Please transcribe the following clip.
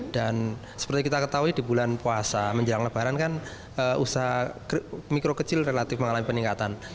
dan seperti kita ketahui di bulan puasa menjelang lebaran kan usaha mikro kecil relatif mengalami peningkatan